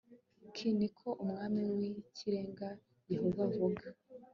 k ni ko umwami w ikirenga yehova avuga